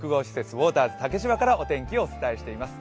ウォーターズ竹芝からお天気をお伝えしています。